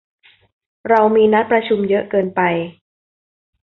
เรามีนัดประชุมเยอะเกินไป